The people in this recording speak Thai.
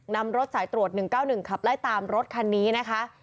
นำรถสายตรวจ๑๙๑ขับไล่ตามรถคันนี้นะคะ